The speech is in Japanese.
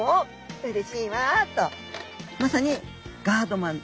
うれしいわ」とまさにガードマン。